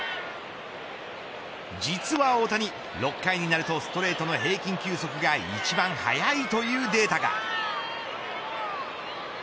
実は大谷、６回になるとストレートの平均球速が一番速いというデータが。